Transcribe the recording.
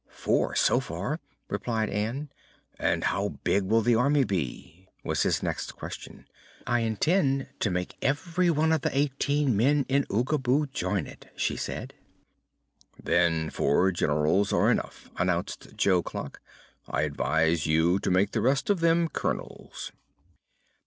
"Four, so far," replied Ann. "And how big will the army be?" was his next question. "I intend to make every one of the eighteen men in Oogaboo join it," she said. "Then four Generals are enough," announced Jo Clock. "I advise you to make the rest of them Colonels."